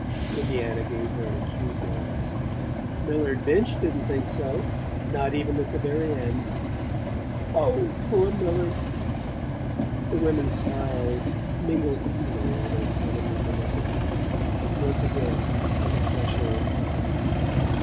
Indiana gave her an acute glance. "Millard Binch didn't think so not even at the very end." "Oh, poor Millard!" The women's smiles mingled easily over the common reminiscence, and once again, on the threshold.